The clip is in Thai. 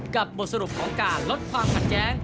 กับบุรุษรุปของการลดความผัดแจ้ง